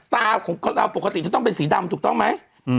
ตาของเราปกติจะต้องเป็นสีดำถูกต้องไหม